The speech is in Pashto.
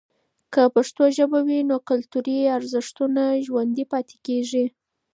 که پښتو ژبه وي، نو کلتوري ارزښتونه ژوندۍ پاتې کیږي.